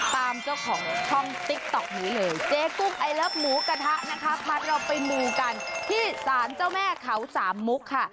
เจ้าของช่องติ๊กต๊อกนี้เลยเจ๊กุ้งไอเลิฟหมูกระทะนะคะพาเราไปมูกันที่สารเจ้าแม่เขาสามมุกค่ะ